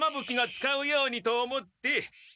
鬼が使うようにと思って。